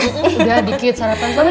sudah dikit sarapan